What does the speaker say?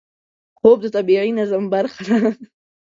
خوب د طبیعي نظم برخه ده